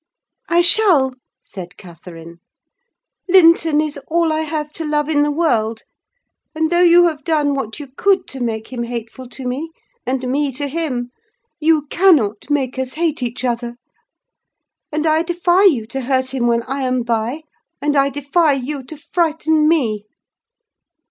"I shall," said Catherine. "Linton is all I have to love in the world, and though you have done what you could to make him hateful to me, and me to him, you cannot make us hate each other. And I defy you to hurt him when I am by, and I defy you to frighten me!"